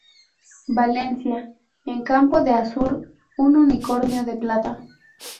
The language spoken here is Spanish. Valencia: En campo de azur, un unicornio de plata.